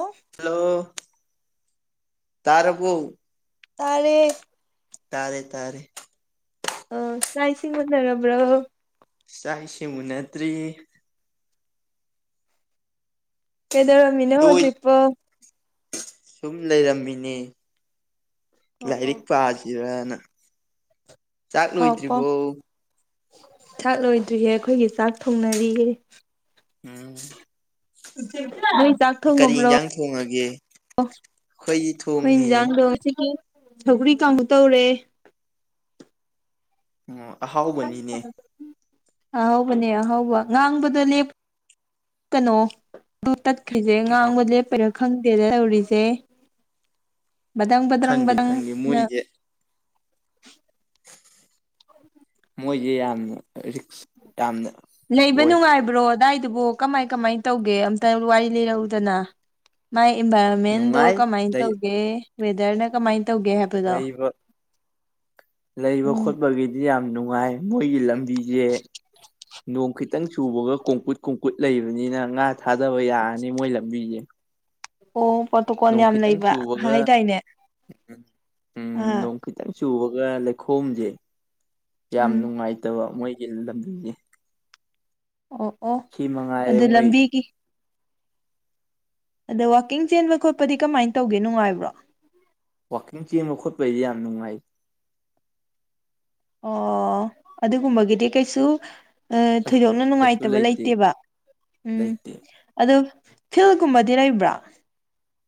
Of hello ꯇꯔꯕꯨ ꯇꯔꯦ ꯇꯥꯔꯦ ꯇꯥꯔꯦ ꯑ ꯆꯥꯛ ꯏꯁꯤꯡ ꯎꯟꯅꯔꯕ꯭ꯔꯣ ꯆꯥꯏꯁꯤꯃꯅꯠꯇ꯭ꯔꯤ ꯀꯩꯗꯔꯃꯤꯅꯦ ꯂꯣꯏ ꯍꯧꯖꯤꯛ ꯄ ꯁꯨꯝ ꯂꯩꯔꯝꯃꯤꯅꯦ ꯑꯣ ꯑꯣ ꯂꯥꯏꯔꯤꯛ ꯄꯥꯁꯤꯔꯅ ꯆꯥꯛ ꯄꯥꯎ ꯄꯥꯎ ꯂꯣꯏꯗ꯭ꯔꯤꯕꯣ ꯆꯥꯛ ꯂꯣꯏꯗ꯭ꯔꯤꯌꯦ ꯑꯩꯈꯣꯏꯒꯤ ꯆꯥꯛ ꯊꯣꯡꯅꯔꯤꯌꯦ ꯎꯝ ꯅꯣꯏ ꯆꯥꯛ ꯀꯔꯤ ꯊꯣꯡꯉꯕ꯭ꯔꯣ ꯌꯦꯟꯖꯥꯡ ꯊꯣꯡꯉꯒꯦ ꯑꯩꯈꯣꯏꯒꯤ ꯑꯩꯈꯣꯏ ꯊꯣꯡꯉꯤꯌꯦ ꯏꯟꯁꯥꯡꯗꯣ ꯁꯤꯒꯤ ꯁꯧꯒ꯭ꯔꯤ ꯀꯥꯡꯕꯨ ꯇꯧꯔꯦ ꯑꯣ ꯑꯍꯥꯎꯕꯅꯤꯅꯦ ꯑꯍꯧꯕꯅꯦ ꯑꯍꯧꯕ ꯉꯥꯡꯕꯗꫭ ꯂꯦꯞꯀꯅꫭ ꯑꯗꯨ ꯇꯠꯈ꯭ꯔꯤꯁꯦ ꯉꯥꯡꯕ ꯂꯦꯞꯄꯔꯥ ꯈꯪꯗꯦꯗ ꯇꯧꯔꯤꯁꯦ ꯕꯗꯪ ꯕꯗ꯭ꯔꯪ ꯈꯪꯗꯦ ꯕꯗꯪ ꯈꯪꯗꯦ ꯅ ꯃꯣꯏꯁꯦ ꯃꯣꯏꯁꯦ ꯌꯥꯝꯅ ꯔꯤꯛꯁ ꯌꯥꯝꯅ ꯂꯩꯕ ꯑꯣꯏ ꯅꯨꯡꯉꯥꯏꯕ꯭ꯔꯣ ꯑꯗꯥꯏꯗꯨꯕꯨ ꯀꯃꯥꯏ ꯀꯃꯥꯏꯅ ꯇꯧꯒꯦ ꯑꯝꯇ ꯋꯥꯔꯤ ꯂꯤꯔꯛꯎꯗꯅ ꯃꯥꯥꯏ ꯏꯟꯚꯥꯏꯔꯣꯟꯃꯦꯟꯗꯣ ꯅꯨꯡꯉꯥꯏ ꯀꯃꯥꯏꯅ ꯇꯧꯒꯦ ꯋꯦꯗ꯭ꯔꯅ ꯀꯃꯥꯏ ꯂꯩꯕ ꯂꯩꯕ ꯎꯝ ꯈꯣꯠꯄꯒꯤ ꯌꯥꯝ ꯅꯨꯡꯉꯥꯏ ꯃꯣꯏꯒꯤ ꯂꯝꯕꯤꯁꯦ ꯅ‌ꯣꯡ ꯈꯤ ꯇꯪ ꯆꯨꯕꯒ ꯀꯣꯡꯀꯨꯠ ꯀꯣꯡꯀꯨꯠ ꯂꯩꯕꯅꯤꯅ ꯉꯥ ꯊꯥꯗꯕ ꯌꯥꯔꯅꯤ ꯃꯣꯏ ꯂꯝꯕꯤꯁꯦ ꯑꯣ ꯄꯠꯇ‌ꯣꯛ ꯅꯣꯡ ꯈꯤꯇꯪ ꯆꯨꯕꯒ ꯎꯝ ꯎꯝ ꯑꯥ ꯅ‌ꯣꯡ ꯈꯤꯇꯪ ꯆꯨꯕꯒ ꯂꯩꯈꯣꯝꯁꯦ ꯌꯥꯝ ꯎꯝ ꯅꯨꯡꯉꯥꯏꯇꯕ ꯃꯣꯏꯒꯤ ꯂꯝꯕꯤꯖ‌ꯦ ꯑꯣ ꯑꯣ ꯃꯉꯥꯏꯔꯦ ꯑꯗꯨ ꯃꯣꯏ ꯂꯝꯕꯤꯒꯤ ꯑꯗ‌ꯣ ꯋꯥꯛꯀꯤꯡ ꯆꯦꯟꯕ ꯈꯣꯠꯄꯗꯤ ꯀꯃꯥꯏꯅ ꯇꯧꯒꯦ ꯅꯨꯡꯉꯥꯏꯕ꯭ꯔꯣ ꯋꯥꯛꯀꯤꯡ ꯆꯦꯟꯕ ꯈꯣꯠꯄꯩꯗꯤ ꯌꯥꯝ ꯅꯨꯡꯉꯥꯏ ꯑꯣ ꯑꯗꯨꯒꯨꯝꯕꯒꯤꯗꯤ ꯀꯩꯁꯨ ꯑ ꯊꯣꯏꯗꯣꯛꯅ ꯀꯩꯁꯨ ꯅꯨꯡꯉꯥꯏꯇꯕ ꯂꯩꯇꯦ ꯂꯩꯇꯦꯕ ꯎꯝ ꯂꯩꯇꯦ ꯑꯗꯨ ꯐꯤꯜꯒꯨꯝꯕꯗꯤ ꯂꯩꯕ꯭ꯔ‌ꯣ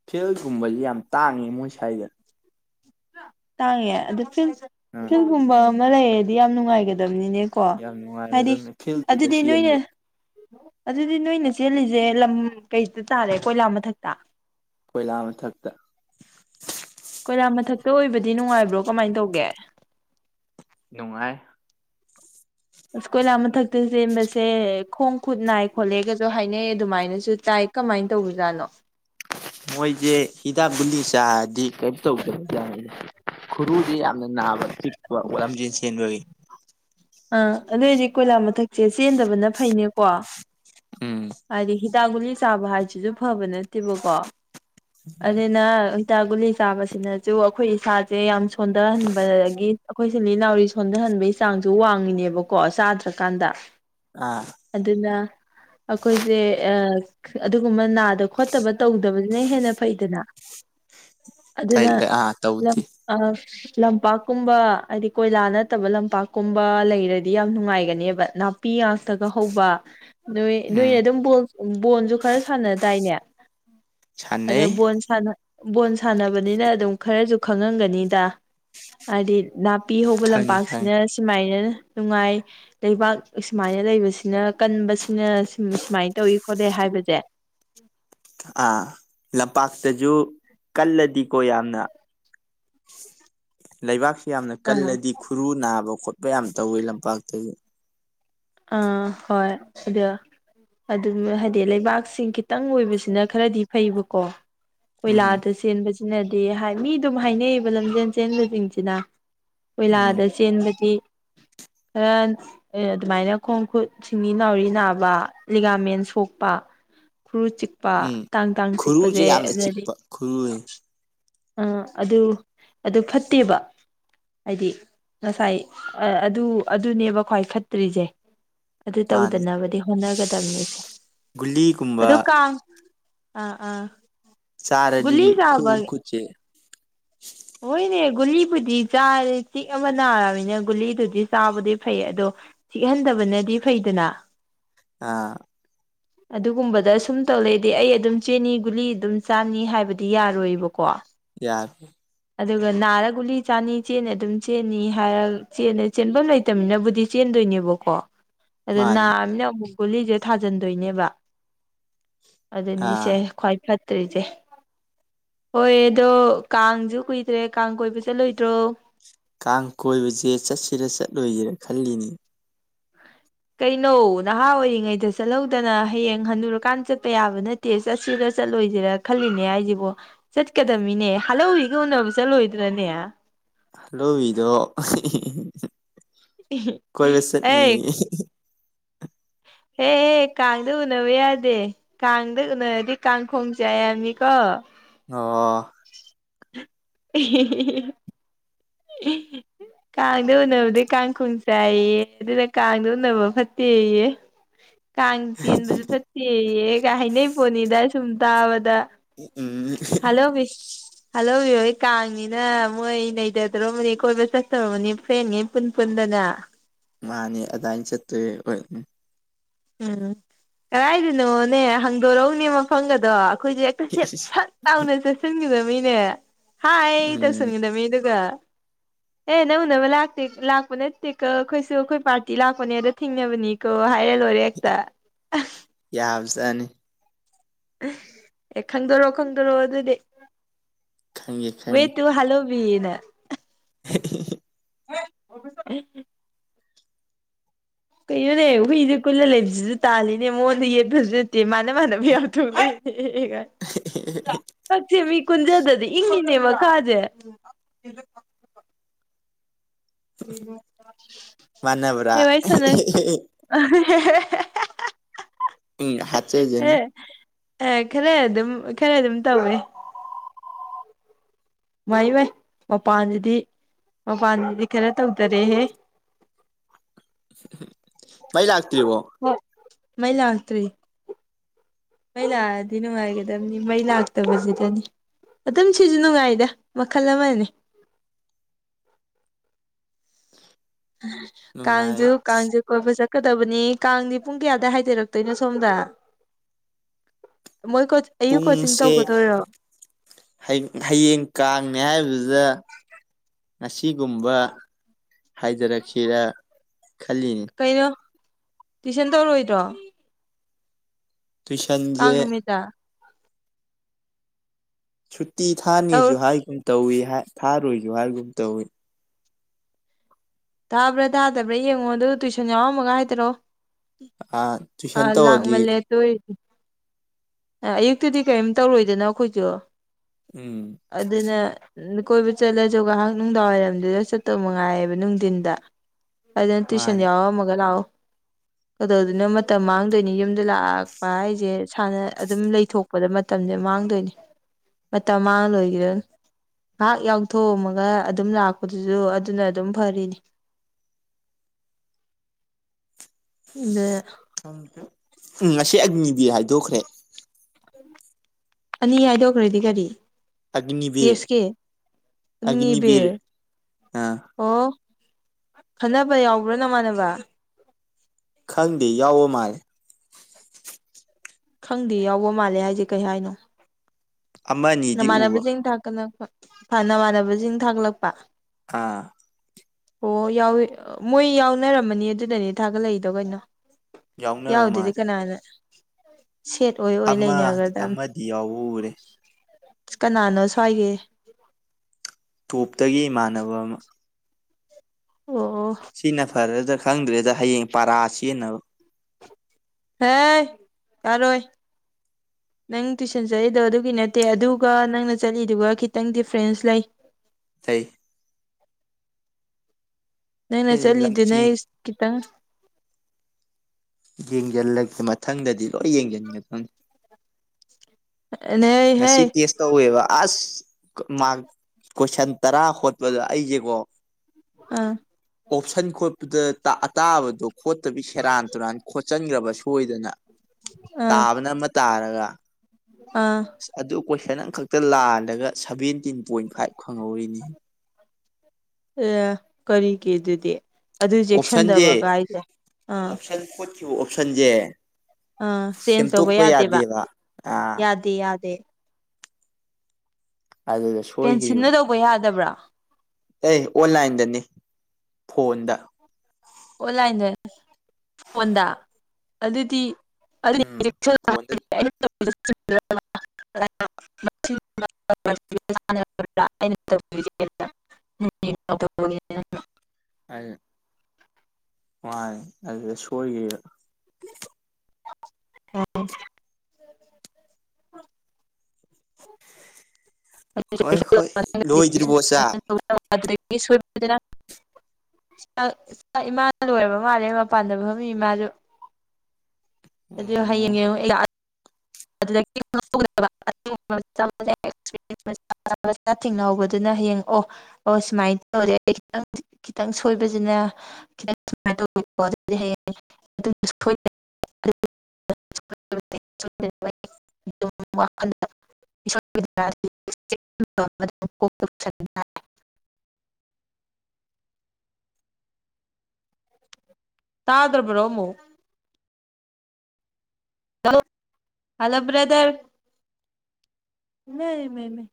ꯐꯤꯜꯒꯨꯝꯕꯁꯡꯖꯤ ꯌꯥꯝ ꯇꯥꯡꯏ ꯃꯣꯏ ꯁꯥꯏꯖ‌ꯦ ꯇꯥꯡꯉꯦ ꯑꯗꯨ ꯐꯤꯜ ꯑꯥ ꯐꯤꯂꯝꯒꯨꯝꯕ ꯑꯃ ꯂꯩꯔꯗꯤ ꯌꯥꯝ ꯅꯨꯡꯉꯥꯏꯒꯗꯕꯅꯤꯅꯦ ꯀꯣ ꯌꯥꯝ ꯍꯥꯏꯗꯤ ꯅꯨꯡꯉꯥꯏꯔꯗꯕꯅꯤ ꯐꯤꯜꯗꯨꯗ ꯑꯗꯨꯗꯤ ꯅꯣꯏꯅ ꯆꯦꯟꯕ ꯑꯗꯨꯗꯤ ꯅꯣꯏꯅ ꯆꯦꯜꯂꯤꯁꯦ ꯂꯝ ꯀꯩꯗ ꯇꯥꯔꯦ ꯀꯣꯏꯂꯥ ꯃꯊꯛꯇ ꯀꯣꯏꯂꯥ ꯃꯊꯛꯇ ꯀꯣꯏꯂꯥ ꯃꯊꯛꯇ ꯑꯣꯏꯕꯗꯤ ꯅꯨꯡꯉꯥꯏꯕ꯭ꯔꯣ ꯀꯃꯥꯏꯅ ꯇꯧꯒꯦ ꯅꯨꯡꯉꯥꯏ ꯑꯁ ꯀꯣꯏꯂꯥ ꯃꯊꯛꯇ ꯆꯦꯟꯕꯁꯦ ꯈꯣꯡ ꯈꯨꯠ ꯅꯥꯏ ꯈꯣꯠꯂꯦꯒꯁꯨ ꯍꯥꯏꯅꯩ ꯑꯗꯨꯃꯥꯏꯅꯁꯨ ꯇꯥꯏ ꯀꯃꯥꯏꯅ ꯇꯧꯕꯖꯥꯠꯅꯣ ꯃꯣꯏꯁꯦ ꯍꯤꯗꯥꯛ ꯒꯨꯂꯤ ꯆꯥꯗꯤ ꯀꯩꯝꯅ ꯇꯧꯗꯕ ꯖꯥꯠꯅ‌ꯦ ꯈꯨꯔꯨꯗꯤ ꯌꯥꯝꯅ ꯅꯥꯕ ꯄꯤꯛꯄ ꯋꯥꯠ ꯂꯝꯖꯦꯟ ꯆꯦꯟꯕꯒꯤ ꯑꯥ ꯑꯗꯨꯏꯗꯤ ꯀꯣꯏꯂꯥ ꯃꯊꯛꯁꯦ ꯆꯦꯟꯗꯕꯅ ꯐꯩꯅꯦꯀꯣ ꯎꯝ ꯍꯥꯏꯗꯤ ꯍꯤꯗꯥꯛ ꯒꯨꯂꯤ ꯆꯥꯕ ꯍꯥꯏꯁꯤꯁꯨ ꯐꯕ ꯅꯠꯇꯦꯕꯀꯣ ꯎꯝ ꯑꯗꯨꯅ ꯍꯤꯗꯥꯛ ꯒꯨꯂꯤ ꯆꯥꯕꯁꯤꯅꯁꯨ ꯑꯩꯈꯣꯏ ꯏꯁꯥꯁꯦ ꯌꯥꯝ ꯁꯣꯟꯊꯍꯟꯕꯗꯒꯤ ꯑꯩꯈꯣꯏ ꯁꯤꯡꯂꯤ ꯅꯥꯎꯔꯤꯁ‌ꯦ ꯁ‌ꯣꯟꯊꯍꯟꯕꯒꯤ ꯆꯥꯡꯁꯨ ꯋꯥꯡꯉꯤꯅꯦꯕꯀꯣ ꯆꯥꯗ꯭ꯔꯀꯥꯟꯗ ꯑꯥ ꯑꯗꯨꯅ ꯑꯩꯈꯣꯏꯁꯦ ꯑꯥ ꯑꯗꯨꯒꯨꯝꯕ ꯅꯥꯗꯕ ꯈꯣꯠꯇꯕ ꯇꯧꯗꯕꯗꯨꯅ ꯍꯦꯟꯅ ꯐꯩꯗꯅ ꯑꯗꯨꯅ ꯑꯥ ꯂꯝ ꯇꯧꯗꯦ ꯑꯥ ꯂꯝꯄꯥꯛꯀꯨꯝꯕ ꯍꯥꯏꯗꯤ ꯀꯣꯏꯂꯥ ꯅꯠꯇꯕ ꯂꯝꯄꯥꯛꯀꯨꯝꯕ ꯂꯩꯔꯗꯤ ꯌꯥꯝ ꯅꯨꯡꯉꯥꯏꯒꯅꯦꯕ ꯄꯤꯌꯥꯛꯇꯒ ꯍꯧꯕ ꯅꯣꯏ ꯎꯝ ꯅꯣꯏꯅ ꯑꯗꯨꯝ ꯕ‌ꯣꯜ ꯕꯣꯜꯁꯨ ꯈꯔ ꯁꯥꯟꯅꯗꯥꯥꯏꯅꯦ ꯑꯗ ꯁꯥꯟꯅꯩ ꯕꯣꯜ ꯕꯣꯜ ꯁꯥꯟꯅꯕꯅꯤꯅ ꯑꯗꯨꯝ ꯈꯔꯁꯨ ꯈꯪꯉꯝꯒꯅꯤꯗ ꯍꯥꯏꯗꯤ ꯄꯤ ꯍꯧꯕ ꯈꯪꯉꯤ ꯂꯝꯄꯥꯛꯁꯤꯅ ꯈꯪꯉꯤ ꯁꯨꯃꯥꯏꯅ ꯅꯨꯡꯉꯥꯏ ꯂꯩꯕꯥꯛ ꯑꯁꯨꯃꯥꯏꯅ ꯂꯩꯕꯁꯤꯅ ꯀꯟꯕꯁꯤꯅ ꯎꯝ ꯁꯨꯃꯥꯏꯅ ꯇꯧꯋ‌ꯦ ꯈꯣꯠꯂ‌ꯦ ꯍꯥꯏꯕꯁꯦ ꯑꯥ ꯂꯝꯄꯥꯛꯇꯁꯨ ꯀꯜꯂꯗꯤꯀꯣ ꯌꯥꯝꯅ [inaudible] ꯂꯩꯕꯥꯛꯁꯤ ꯌꯥꯝꯅ ꯑꯥ ꯀꯜꯂꯗꯤ ꯈꯨꯔꯨ ꯅꯥꯕ ꯈꯣꯠꯄ ꯌꯥꯝ ꯇꯧꯋꯦ ꯂꯝꯄꯥꯛꯇꯁꯨ ꯑ ꯍꫭꯏ ꯑꯗꯨ ꯑꯗꯨꯗꯨꯒ ꯍꯥꯏꯗꯤ ꯂꯩꯕꯥꯛꯁꯤꯡ ꯈꯤꯇꯪ ꯑꯣꯏꯕꯁꯤꯅ ꯈꯔꯗꯤ ꯐꯩꯕꯀꯣ꯫ ꯎꯝ ꯀꯣꯏꯂꯥꯗ ꯆꯦꯟꯕꯁꯤꯅꯗꯤ ꯍꯥꯏ ꯃꯤ ꯑꯗꯨꯝ ꯍꯥꯏꯅꯩꯌꯦꯕ ꯂꯝꯖꯦꯟ ꯆꯦꯟꯕꯁꯤꯡꯁꯤꯅ꯫ ꯎꯝ ꯀꯣꯏꯂꯥꯗ ꯆꯦꯟꯕꯗꯤ ꯈꯔ ꯑ ꯑꯗꯨꯃꯥꯏꯅ ꯈꯣꯡ ꯈꯨꯠ ꯁꯤꯡꯂꯤ ꯅꯥꯎꯔꯤ ꯅꯥꯕ ꯂꯤꯒꯥꯃꯦꯟ ꯁꯣꯛꯄ ꯈꯨꯔꯨ ꯆꯤꯛ ꯄꯥ ꯎꯝ ꯇꯥꯡ ꯇꯥꯡ ꯈꯨꯔꯨꯁꯦ ꯆꯤꯛꯄꯁꯦ ꯌꯥꯝꯅ ꯑꯗꯗꯤ ꯆꯤꯛꯄ ꯈꯨꯔꯨꯁꯦ ꯑ ꯑꯗꯨ ꯑꯗꯨ ꯐꯠꯇꯦꯕ꯫ ꯍꯥꯏꯗꯤ ꯉꯁꯥꯏ ꯑꯥ ꯑꯗꯨ ꯑꯗꯨꯅꯦꯕ ꯈ꯭ꯋꯥꯏ ꯐꯠꯇ꯭ꯔꯤꯁꯦ꯫ ꯑꯗꯨ ꯃꯥꯅꯤ ꯇꯧꯗꯅꯕꯗꯤ ꯍꯣꯠꯅꯒꯗꯕꯅꯤ ꯒꯨꯂꯤꯒꯨꯝꯕ ꯑꯗꯨ ꯀꯥꯡ ꯑꯥ ꯑꯥ꯫ ꯆꯥꯔꯗꯤ ꯒꯨꯂꯤ ꯈꯨꯟ ꯆꯥꯕ ꯈꯨꯨꯠꯁꯦ ꯍꯣꯏꯅꯦ ꯒꯨꯂꯤꯕꯨꯗꯤ ꯆꯥꯔꯦ ꯆꯤꯛ ꯑꯕ ꯅꯥꯔꯕꯅꯤꯅ ꯒꯨꯂꯤꯗꯨꯗꯤ ꯆꯥꯕꯗꯤ ꯐꯩ ꯑꯗꯣ ꯆꯤꯛꯍꯟꯗꯕꯅꯗꯤ ꯐꯩꯗꯅ꯫ ꯑꯥ꯫ ꯑꯗꯨꯒꯨꯝꯕꯗ ꯁꯨꯝ ꯇꯧ ꯂꯩꯗꯤ ꯑꯩ ꯑꯗꯨꯝ ꯆꯦꯅꯤ ꯒꯨꯂꯤ ꯑꯗꯨꯝ ꯆꯥꯅꯤ ꯍꯥꯏꯕꯗꯤ ꯌꯥꯔꯣꯏꯕꯀꯣ꯫ ꯌꯥ ꯑꯗꯨꯒ ꯅꯥꯔ ꯒꯨꯂꯤ ꯆꯥꯅꯤ ꯆꯦꯅꯤ ꯑꯗꯨꯝ ꯆꯦꯟꯅꯤ ꯍꯥꯏꯔꯒ ꯆꯟꯅ ꯆꯦꯟꯐꯝ ꯂꯩꯇꯝꯅꯤꯅꯕꯨꯗꯤ ꯆꯦꯟꯗꯣꯏꯅꯦꯕꯣ꯫ ꯀꯣ ꯑꯗꯣ ꯃꯥꯅꯦ ꯅꯥꯃꯤꯅ ꯑꯃꯨꯛ ꯀꯒꯨꯂꯤꯁꯦ ꯊꯥꯖꯤꯟꯗꯣꯏꯅꯦꯕ꯫ ꯑꯗꯨꯅꯤꯁꯦ ꯑꯥ ꯈ꯭ꯋꯥꯏ ꯐꯠꯇ꯭ꯔꯤꯁꯦ ꯍꯣꯏ ꯑꯗꯣ ꯀꯥꯡꯁꯨ ꯀꯨꯏꯗ꯭ꯔꯦ ꯀꯥꯡ ꯀꯣꯏꯕ ꯆꯠꯂꯣꯏꯗ꯭ꯔꯣ꯫ ꯀꯥꯡ ꯀꯣꯏꯕꯁꯦ ꯆꯠꯁꯤꯔ ꯆꯠꯂꯣꯏꯁꯤꯔꯥ ꯈꯜꯂꯤꯅꯤ꯫ ꯀꯩꯅꯣ ꯅꯍꯥ ꯑꯣꯏꯔꯤꯉꯩꯗ ꯆꯠꯍꯧꯗꯅ ꯍꯌꯦꯡ ꯍꯟꯅꯨꯔꯀꯥꯟꯗ ꯆꯠꯄ ꯌꯥꯕ ꯅꯠ ꯇꯦ ꯆꯠꯁꯤꯔ ꯆꯠꯂꯣꯏꯁꯤꯔꯥ ꯈꯜꯂꯤꯅꯦ ꯍꯥꯏꯁꯤꯕꯣ꯫ ꯆꯠꯀꯗꯃꯤꯅꯦ ꯍꯜꯍꯧꯤꯒ ꯎꯅꯕ ꯆꯠꯂꯣꯏꯗ꯭ꯔꯅꯦ꯫ ꯍꯂꯣꯕꯤꯗꯣ ꯀꯣꯏꯕ ꯑꯩ ꯆꯠꯅꯤꯌꯦ꯫ ꯍꯦ ꯍꯦ ꯀꯥꯡꯗ ꯎꯟꯅꯕ ꯌꯥꯗꯦ꯫ ꯀꯥꯡꯗ ꯎꯅꯔꯗꯤ ꯀꯥꯡꯈꯣꯡ ꯆꯥꯏ ꯍꯥꯏꯕꯅꯤꯀꯣ꯫ ꯑꯣ꯫ [unintelligible] [unintelligible] ꯀꯥꯡꯗ ꯎꯅꯕꯗꯤ ꯀꯥꯡꯈꯨꯟ ꯆꯥꯏꯌꯦ ꯑꯗꯨꯅ ꯀꯥꯡꯗ ꯎꯅꯕ ꯐꯠꯇꯦꯌꯦ꯫ [inaudible] ꯀꯥꯡ ꯆꯦꯟꯕꯁꯨ ꯐꯠꯇꯦꯌꯦꯒꯥ ꯍꯥꯏꯅꯩ ꯄꯣꯟꯅꯤꯗ ꯁꯨꯝ ꯇꯥꯕꯗ꯫ [unintelligible] [unintelligible] ꯍꯜꯂꫭꯕꯤꯍꫭꯏ ꯀꯥꯡꯅꯤꯅ ꯃꯣꯏ ꯅꯩꯖꯗ꯭ꯔꯕꯅꯤ ꯀꯣꯏꯕ ꯆꯠꯇꯧꯕꯅꯤ ꯐ꯭ꯔꯦꯟꯉꯩ ꯄꯨꯟꯄꯨꯟꯗꯅ꯫ ꯃꯥꯅꯤ ꯑꯗꯥꯏꯅ ꯆꯠꯇꫭꯏꯔ ꯑꫭꯏ ꯎꯝ ꯀꯗꯥꯥꯏꯗꯅꯣꯅꯦ ꯍꯥꯡꯗꯣꯔꯛꯎꯅꯦ ꯃꯐꯝꯒꯗꯣ ꯑꯩꯈꯣꯏꯁꯦ ꯇꯁꯦꯠ ꯁꯛ ꯂꯥꯎꯅ ꯆꯠꯁꯤꯟꯒꯗꯅꯤꯅꯦ꯫ ꯍꯥꯏ ꯎꯝ ꯇꯧꯁꯤꯟꯒꯗꯃꯤ ꯗꯨꯒ꯫ ꯑꯦ ꯅꯪ ꯎꯅꯕ ꯂꯥꯛꯇꯦ ꯂꯥꯛꯄ ꯅꯠꯇꯦꯀꫭ ꯑꯈꯣꯏꯁꯨ ꯑꯈꯣꯏ ꯄꯥꯔꯇꯤ ꯂꯥꯛꯄꯅꯦ ꯑꯗꯣ ꯊꯦꯡꯅꯕꯅꯤ꯫ ꯀꯣ ꯍꯥꯏꯔ ꯂꯣꯔꯦ ꯍꯦꯛꯇ꯫ ꯌꯥꯕ ꯆꯥꯠꯅꯤ꯫ ꯑꯦ ꯈꯪꯗꯣꯔꯣ-ꯈꯪꯗꯣꯔꯣ ꯑꯗꯨꯗꯤ ꯈꯪꯉꯦ ꯋꯦ ꯈꯪꯉꯦ ꯇꯨ ꯍꯥꯜꯂꯣ꯫ [unintelligible] [unintelligible] [inaudible] ꯀꯩꯅꯣꯅꯦ ꯍꯨꯏꯁꯦ ꯀꯨꯜꯂ ꯂꯩꯕꯁꯤꯁꯨ ꯇꯥꯜꯂꯤꯅꯦ ꯃꯉꯣꯟꯗ ꯌꯦꯠꯄꯁꯨ ꯅꯠꯇꯦ ꯃꯥꯅ ꯃꯥꯥꯟꯅꯕ ꯌꯥꯎꯊꯣꯛꯑꯦ꯫ [unintelligible] ꯀꯛꯁꯦ ꯃꯤ ꯀꯨꯟꯖꯗꯗꯤ ꯏꯪꯉꯤꯅꯦꯕ ꯀꯥꯁꯦ ꯍ ꯃꯥꯟꯅꯕ꯭ꯔꯥ ꯋꯥꯁ ꯅ ꯑ ꯎꯝ ꯍ ꯍꯥꯠꯆꯖꯅꯤ ꯑꯦ ꯈꯔ ꯑꯗꯨꯝ ꯈꯔ ꯑꯗꯨꯝ ꯇꯧꯋꯦ ꯋꯥꯏ ꯥꯏ ꯃꯄꯥꯟꯗꯗꯤ ꯃꯄꯥꯟꯗꯗꯤ ꯈꯔ ꯇꯧꯗꯔꯦꯍꯦ ꯐꯩ ꯂ ꯂꯥꯛꯇꯔꯤꯕꯣ ꯍ ꯃꯩꯂ ꯍꯥꯇꯔꯤ ꯃꯩ ꯂꯥꯛꯑꯗꯤ ꯅꯨꯡꯉꯥꯏꯒꯗꯕꯅꯤ ꯃꯩ ꯂꯥꯛꯇꯕꯁꯤꯗꯅꯤ ꯑꯗꯨꯝ ꯁꯤꯁꯨ ꯅꯨꯡꯉꯥꯏꯗ ꯃꯈꯜ ꯑꯃꯅꯦ ꯅꯨꯡꯉꯥꯏ ꯀꯥꯖꯨ ꯀꯥꯖꯨ ꯀꯣꯏꯕꯣꯏ ꯆꯠꯀꯗꯕꯅꯤ ꯀꯥꯡꯗꯤ ꯄꯨꯡ ꯀꯌꯥꯗꯏ ꯍꯥꯏꯗꯔꯛꯇꯣꯏꯅꯣ ꯁꯣꯝꯗ ꯃꯣꯏ ꯀꯣ ꯑꯌꯨꯛ ꯀꯣꯆꯤꯡ ꯄꯨꯡꯁꯦ ꯇꯧꯒꯗꯣꯏꯔꯣ ꯍꯌꯦꯡ ꯀꯥꯡꯅꯦ ꯍꯥꯏꯗꯨꯗ ꯑꯁꯤꯒꯨꯝꯕ ꯍꯥꯏꯖꯔꯛꯁꯤꯔ ꯈꯜꯂꯤꯅꯤ ꯀꯩꯅꯣ ꯇꯨꯏꯁꯟ ꯇꯧꯔꯣꯏꯗ꯭ꯔꯣ ꯇ꯭ꯨꯏꯁꯟꯁꯦ ꯀꯥꯡ ꯅꯨꯃꯤꯠꯇ ꯁꯨꯇꯤ ꯊꯥꯅꯤꯁꯨ ꯇꯧ ꯍꯥꯏꯒꯨꯝ ꯇꯧꯏ ꯊꯥꯔꯣꯏꯁꯨ ꯍꯥꯏꯒꯨꯝ ꯇꯧꯏ ꯇꯥꯕ꯭ꯔꯥ ꯇꯥꯗꯕ꯭ꯔꯥ ꯌꯦꯡꯉꯣ ꯑꯗꯨꯗ ꯇꯨꯏꯁꯟ ꯌꯥꯎꯔꯝꯃꯒ ꯍꯥꯏꯗꯔꯑꯣ ꯑꯥ ꯇꯨꯏꯁꯟ ꯇꯧꯔꯗꯤ ꯂꯥꯛꯃꯜꯂꯦ ꯑꯗꯨ ꯑꯣꯏꯗꯤ ꯑꯌꯨꯛꯇꯨꯗꯤ ꯀꯔꯤꯝ ꯇꯧꯔꯣꯏꯗꯅꯣ ꯑꯩꯈꯣꯏꯁꯨ ꯎꯝ ꯑꯗꯨꯅ ꯀꯣꯏꯕ ꯆꯠꯂꯁꯨ ꯉꯥꯏꯍꯥꯛ ꯅꯨꯡꯗꯥꯡꯋꯥꯏꯔꯝꯗꯨꯗ ꯆꯠꯇꯧ ꯃꯉꯥꯏꯌꯦꯕ ꯅꯨꯡꯊꯤꯟꯗ ꯑꯗꯅ ꯇꯨꯁꯟ ꯌꯥꯑꯣ ꯃꯒ ꯂꯣ ꯌꯥꯔ ꯀꯗꯧꯗꯅ ꯃꯇꯝ ꯃꯥꯡꯗꯣꯏꯅꯤ ꯌꯨꯝꯗ ꯂꯥꯛꯄ ꯍꯥꯏꯁꯦ ꯁꯥꯟꯅ ꯑꯗꯨꯝ ꯂꯩꯊꯣꯛ ꯄꯄꯗ ꯃꯇꯝꯁꯦ ꯃꯥꯡꯗꯣꯏꯅꯤ ꯃꯇꯝ ꯃꯥꯡꯉ ꯂꯣꯏꯈꯤꯗꯅꯤ ꯉꯥꯏꯍꯥꯛ ꯌꯥꯎꯊꯣꯛꯑꯝꯃꯒ ꯑꯗꯨꯝ ꯂꯥꯛꯄꯗꯨꯁꯨ ꯑꯗꯨꯅ ꯑꯗꯨꯝ ꯐꯔꯤꯅꯤ ꯑꯗ ꯎꯝ ꯉꯁꯤ ꯑꯅꯤꯗꯤ ꯍꯥꯏꯗꯣꯛꯈ꯭ꯔꯦ ꯑꯅꯤ ꯍꯥꯏꯗꯣꯛꯈ꯭ꯔꯗꯤ ꯀꯔꯤ ꯑꯒꯅꯤꯕꯤꯔ ꯇꯦꯁꯀꯦ ꯑꯒꯅꯤꯕꯤꯔ ꯎꯅꯤꯕꯔ ꯑꯥ ꯑꯣ ꯈꯟꯅꯕ ꯌꯥꯎꯕ꯭ꯔꯣ ꯅꯃꯥꯟꯅꯕ ꯈꯪꯗꯦ ꯌꯥꯎꯕ ꯃꯥꯜꯂꯦ ꯈꯪꯗꯦ ꯌꯥꯎꯕ ꯃꯥꯜꯂꯦ ꯍꯥꯏꯁꯦ ꯀꯩ ꯍꯥꯏꯅꯣ ꯑꯃ ꯑꯅꯤꯗꯤ ꯎꯕ ꯅꯃꯥꯟꯅꯕꯁꯤꯡ ꯊꯥꯛꯀꯅ ꯅꯃꯥꯟꯅꯕꯁꯤꯡ ꯊꯥꯛꯠꯂꯛꯄ ꯑꯥ ꯑꯣ ꯌꯥꯎꯏ ꯃꯣꯏ ꯌꯥꯎꯅꯔꯝꯃꯅꯤ ꯑꯗꯨꯗꯅꯦ ꯊꯥꯒꯠꯂꯛꯏꯗꯣ ꯀꯩꯅꯣ ꯌꯥꯎꯅꯕ ꯌꯥꯎꯗꯗꯤ ꯃꯥꯜꯂꯦ ꯀꯅꯥꯅ ꯁꯦꯠ ꯑꯣꯏ ꯑꯣꯏ ꯂꯩꯅꯈ꯭ꯔꯗ ꯌꯥꯎꯔꯦ ꯀꯅꯥꯅꯣ ꯁ꯭ꯋꯥꯏꯒꯦ ꯇꯣꯞꯇꯒꯤ ꯏꯃꯥꯟꯅꯕ ꯑꯃ ꯑꯣ ꯁꯤꯅ ꯐꯔꯦꯗ ꯈꯪꯗ꯭ꯔꯦꯗ ꯍꯌꯦꯡ ꯄꯔꯥ ꯆꯦꯟꯅꯕ ꯍꯦ ꯀꯔꯣꯏ ꯅꯪ ꯇꯨꯏꯁꯟ ꯆꯠꯂꯤꯗꯣ ꯑꯗꯨꯒꯤ ꯅꯠꯇꯦ ꯑꯗꯨꯒ ꯅꯪꯅ ꯆꯠꯂꯤꯗꯨꯒ ꯈꯤꯇꯪ ꯗꯤꯐ꯭ꯔꯦꯟꯁ ꯂꯩ ꯁꯩ ꯅꯪꯅ ꯁꯤ ꯆꯠꯂꯤꯗꯨ ꯅ ꯂꯝꯆꯦꯟ ꯈꯤꯇꯪ ꯌꯦꯡꯁꯤꯜꯂꯒꯦ ꯃꯊꯪꯗꯗꯤ ꯂꯣꯏ ꯌꯦꯡꯁꯤꯟꯒꯦ ꯈꯪꯅꯤ ꯅ ꯍꯦ ꯁꯤꯇꯁ ꯇꯧꯋꯦꯕ ꯑꯁ ꯃꯥꯔꯛ ꯀꯣꯏꯁꯟ ꯇꯔꯥ ꯍꯣꯠꯄꯗ ꯑꯩꯁꯦꯀꯣ ꯑꯥ ꯑꯣꯞꯁꯟ ꯈꯣꯠꯄꯗ ꯑꯇꯥꯕꯗꯣ ꯈꯣꯠꯇꯕꯤ ꯁꯦꯔꯥꯟ ꯇꯨꯔꯥꯟ ꯈꯣꯠꯆꯟꯈ꯭ꯔꯕꯁꯨ ꯁꯣꯏꯗꯅ ꯑꯥ ꯇꯥꯕꯅ ꯑꯃ ꯇꯥꯔꯒ ꯑꯥ ꯑꯗꯨ ꯀꯣꯏꯁꯟ ꯑꯃꯈꯛꯇ ꯂꯥꯜꯂꯒ ꯁꯚꯦꯟꯇꯤꯟ ꯄꯣꯏꯟ ꯐꯥꯏꯚ ꯐꯪꯍꯧꯔꯤꯅꯤ ꯑꯦ ꯀꯔꯤꯒꯤ ꯑꯗꯨꯗꯤ ꯑꯗꯨ ꯑꯣꯞꯁꯟꯁꯦ ꯆꯦꯛꯁꯤꯟꯗꯕꯒꯥꯏꯁꯦ ꯑꯥ ꯑꯣꯞꯁꯟꯁ ꯑꯥ ꯆꯦꯟꯖ ꯇꯧꯕ ꯌꯥꯗꯦꯕ ꯑꯥ ꯌꯥꯗꯦ ꯌꯥꯗꯦ ꯑꯗꯨ ꯑꯗꯨ ꯄꯦꯟꯁꯤꯜꯅ ꯇꯧꯕ ꯌꯥꯗꯕ꯭ꯔꯥ ꯑꯦ ꯑꯣꯟꯂꯥꯏꯟꯗꯅꯤ ꯐꯣꯟꯗ ꯑꯣꯟꯂꯥꯏꯟꯗ ꯐꯣꯟꯗ ꯑꯗꯨꯗꯤ ꯑꯗꯨ ꯎꯝ ꯐꯣꯟꯗ ꯍꯣꯏ [unintelligible] ꯍꯥꯏ ꯋꯥꯥꯏ ꯑꯗꯨꯗ ꯁꯣꯏꯈꯤꯕ ꯍꯝ ꯗ ꯍꯣꯏ ꯍꯣꯏ ꯂꯣꯏꯗ꯭ꯔꯤꯕꯣ ꯆꯥꯛ [unintelligible] ꯆꯥꯛ ꯆꯥꯛ ꯏꯃꯥꯅ ꯂꯣꯏꯔꯕ ꯃꯥꯜꯂꯦ ꯃꯄꯥꯟꯗ ꯐꯝꯃꯤ ꯏꯃꯥꯖꯨ ꯑꯗꯨꯣ ꯍꯌꯦꯡ ꯎꯝ ꯑꯗꯨ ꯃ ꯃꯆꯥ ꯊꯦꯡꯅꯍꯧꯕꯗꯨꯅ ꯍꯌꯦꯡꯉꯛꯑꯣ ꯑꯣ ꯁꯨꯃꯥꯏꯅ ꯇꯧꯔꯦ ꯑꯩ ꯈꯤꯇꯪ ꯈꯤꯇꯪ ꯁꯣꯏꯕꯁꯤꯅ [unintelligible] ꯑꯗꯨ ꯑꯗꯨ [unintelligible] ꯋꯥ [unintelligible] ꯇꯥꯗ꯭ꯔꯕ꯭ꯔꯣ ꯑꯃꯨꯛ ꯍꯂꯣ ꯍꯜꯂꯣ ꯕ꯭ꯔꯗꯔ ꯏꯃꯩ ꯃꯩ ꯃꯩ